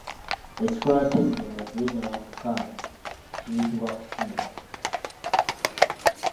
Ekikolwa ky’ebinyomo okulya ennyama ku kaba kiyitibwa Kusira.